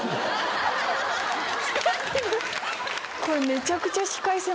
これめちゃくちゃ。